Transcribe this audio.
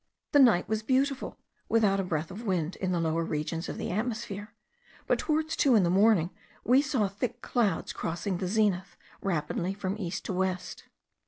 The night was beautiful, without a breath of wind in the lower regions of the atmosphere, but towards two in the morning we saw thick clouds crossing the zenith rapidly from east to west.